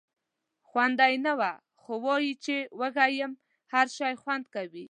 خونده یې نه وه خو وایي چې وږی یې هر شی خوند کوي.